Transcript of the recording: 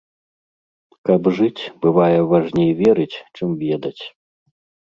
Каб жыць, бывае важней верыць, чым ведаць.